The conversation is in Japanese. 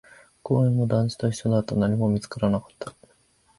公園も団地と一緒だった、何も見つからなかった